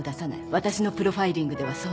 わたしのプロファイリングではそう見てる。